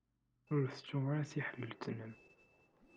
Ur ttuɣ ara tiḥilet-nnem.